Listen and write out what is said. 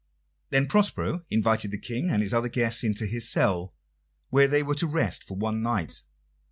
Then Prospero invited the King and his other guests into his cell, where they were to rest for one night.